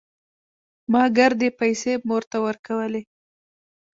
ما ګردې پيسې مور ته ورکولې.